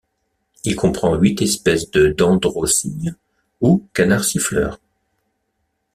Il comprend huit espèces de Dendrocygnes ou canards siffleurs.